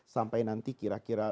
sampai nanti kira kira